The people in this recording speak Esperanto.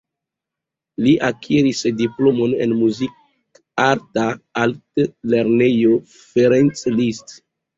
Li akiris diplomon en Muzikarta Altlernejo Ferenc Liszt.